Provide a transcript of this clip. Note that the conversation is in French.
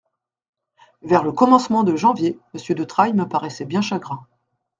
Vers le commencement de janvier, monsieur de Trailles me paraissait bien chagrin.